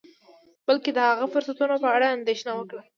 بلکې د هغه فرصتونو په اړه اندیښنه وکړه